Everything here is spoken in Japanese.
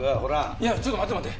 いやちょっと待って待って。